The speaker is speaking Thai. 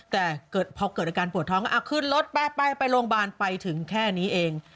แต่พอเกิดอาการปวดท้องก็เอาขึ้นรถไปไปโรงพยาบาลไปถึงแค่นี้เอง